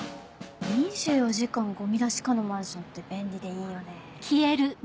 ２４時間ゴミ出し可のマンションって便利でいいよね。